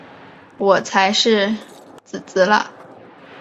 我才是姊姊啦！